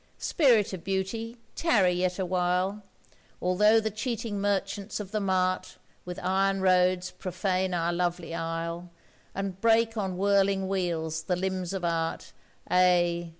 Spirit of Beauty, tarry yet awhile! Although the cheating merchants of the mart With iron roads profane our lovely isle, And break on whirling wheels the limbs of Art, Ay!